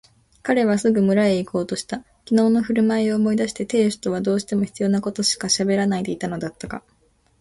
彼はすぐ村へいこうとした。きのうのふるまいを思い出して亭主とはどうしても必要なことしかしゃべらないでいたのだったが、